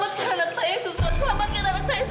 selamatkan anak saya